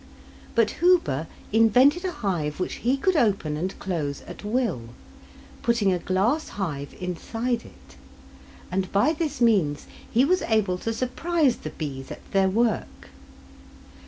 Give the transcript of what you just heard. But Huber invented a hive which he could open and close at will, putting a glass hive inside it, and by this means he was able to surprise the bees at their work.